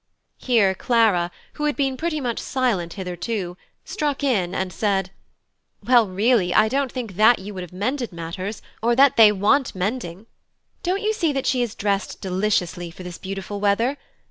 Here Clara, who had been pretty much silent hitherto, struck in, and said: "Well, really, I don't think that you would have mended matters, or that they want mending. Don't you see that she is dressed deliciously for this beautiful weather?